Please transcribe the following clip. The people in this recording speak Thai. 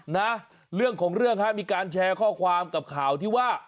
นะเรื่องของเรื่องฮะมีการแชร์ข้อความกับข่าวที่ว่า